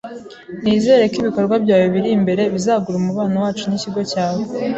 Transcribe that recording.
Nizere ko ibikorwa byawe biri imbere bizagura umubano wacu nikigo cyawe.